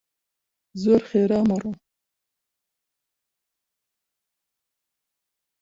زۆر خێرا مەڕۆ!